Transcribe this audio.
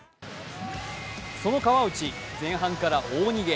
その川内、前半から大逃げ。